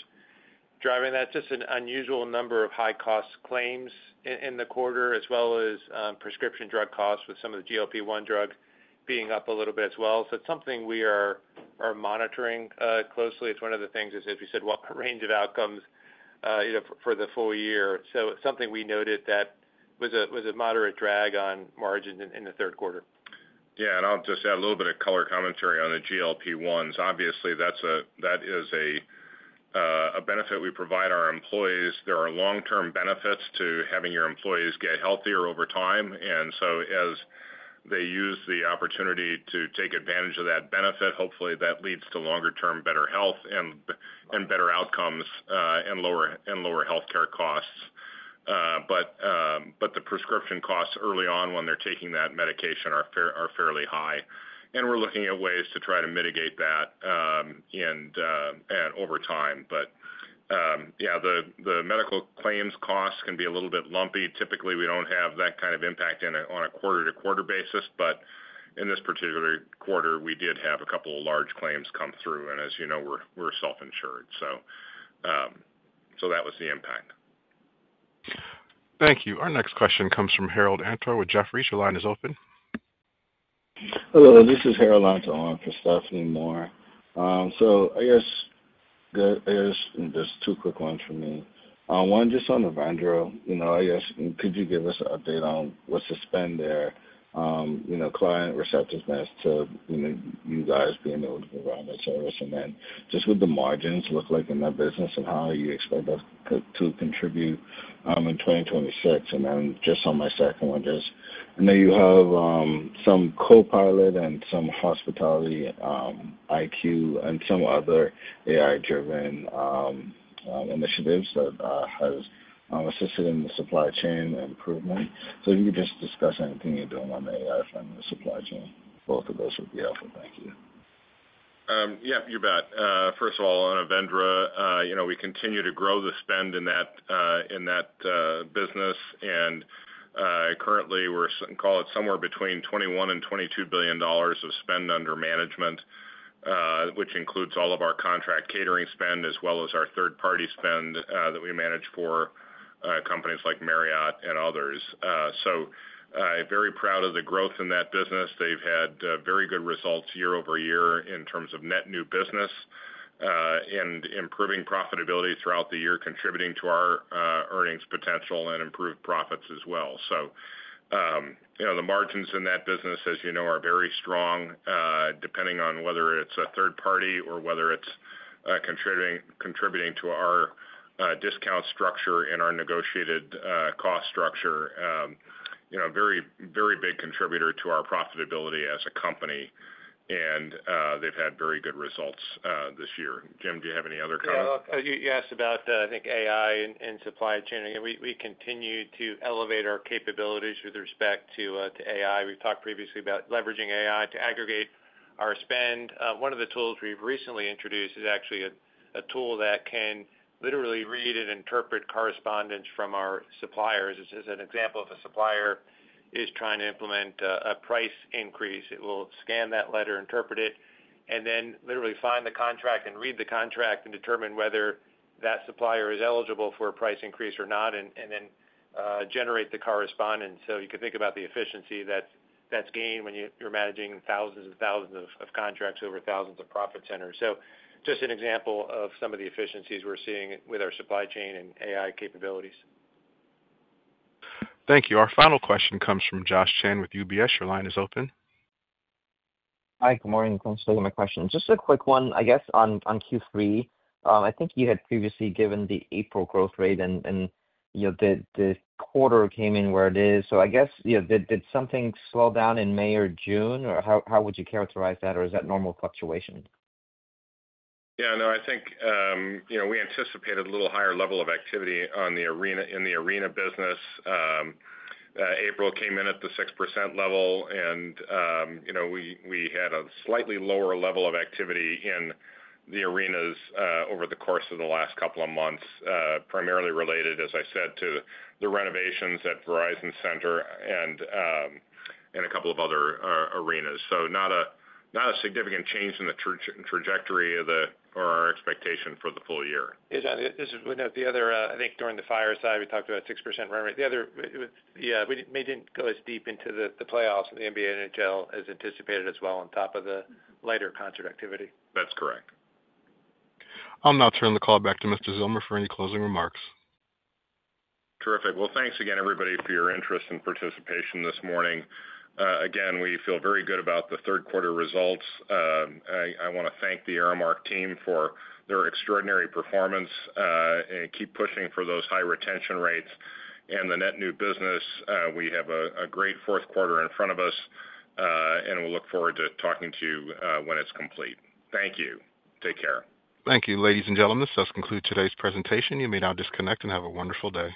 driving that: just an unusual number of high-cost claims in the quarter as well as prescription drug costs, with some of the GLP-1 drugs being up a little bit as well. It is something we are monitoring closely. It is one of the things, as we said, what range of outcomes for the full year. It is something we noted that was a moderate drag on margin in the third quarter.
Yeah. I'll just add a little bit of color commentary on the GLP-1s. Obviously, that is a benefit we provide our employees. There are long-term benefits to having your employees get healthier over time. As they use the opportunity to take advantage of that benefit, hopefully that leads to longer-term better health and better outcomes and lower healthcare costs. The prescription costs early on when they're taking that medication are fairly high. We're looking at ways to try to mitigate that over time. The medical claims costs can be a little bit lumpy. Typically, we don't have that kind of impact on a quarter-to-quarter basis. In this particular quarter, we did have a couple of large claims come through and, as you know, we're self-insured. That was the impact.
Thank you. Our next question comes from Harold Antor with Jefferies. Your line is open.
Hello, this is Harold Antor for Stephanie Moore. I guess there's two quick ones for me. One just on Avendra, you know, I. Could you give us an update on what's the spend there? You know, client receptiveness to you guys being able to provide that service, and then just what the margins look like in that business and how you expect us to contribute in 2026. On my second one, just. You have some copilot and some hospitality IQ and some other AI-driven initiatives that has assisted in the supply chain improvement. If you could just discuss anything you're doing on the AI from the supply chain, both of those would be helpful. Thank you.
Yeah, you bet. First of all, on Avendra, we continue to grow the spend in that business and currently we're, call it, somewhere between $21 billion and $22 billion of spend under management, which includes all of our contract catering spend as well as our third party spend that we manage for companies like Marriott and others. Very proud of the growth in that business. They've had very good results year-over-year in terms of net new business and improving profitability throughout the year, contributing to our earnings potential and improved profits as well. The margins in that business, as you know, are very strong depending on whether it's a third party or whether it's contributing to our discount structure and our negotiated cost structure. Very, very big contributor to our profitability as a company. They've had very good results this year. Jim, do you have any other comments you asked about?
I think AI and supply chain, we continue to elevate our capabilities with respect to AI. We've talked previously leveraging AI to aggregate our spend. One of the tools we've recently introduced is actually a tool that can literally read and interpret correspondence from our suppliers. This is an example of a supplier is trying to implement a price increase. It will scan that letter, interpret it, and then literally find the contract and read the contract and determine whether that supplier is eligible for a price increase or not, and then generate the correspondence. You can think about the efficiency that's gained when you're managing thousands and thousands of contracts over thousands of profit centers. This is just an example of some of the efficiencies we're seeing with our supply chain and AI capabilities.
Thank you. Our final question comes from Josh Chan with UBS. Your line is open.
Hi, good morning. Thanks for taking my question. Just a quick one, I guess on Q3, I think you had previously given the April growth rate and the quarter came in where it is. Did something slow down in May or June or how would you characterize that? Is that normal fluctuation?
Yeah. No, I think we anticipated a little higher level of activity in the arena business. April came in at the 6% level, and we had a slightly lower level of activity in the arenas over the course of the last couple of months, primarily related, as I said, to the renovations at Verizon Center and a couple of other arenas. Not a significant change in the trajectory or our expectation for the full year.
I think during the fireside, we talked about 6% run rate. We didn't go as deep into the playoffs in the NBA, NHL as anticipated as well, on top of the lighter concert activity.
That's correct.
I'll now turn the call back to Mr. Zillmer, for any closing remarks.
Terrific. Thank you again, everybody, for your interest and participation this morning. Again, we feel very good about the third quarter results. I want to thank the Aramark team for their extraordinary performance and keep pushing for those high retention rates and the net new business. We have a great fourth quarter in front of us and we look forward to talking to you when it's complete. Thank you. Take care.
Thank you. Ladies and gentlemen, this does conclude today's presentation. You may now disconnect and have a wonderful day.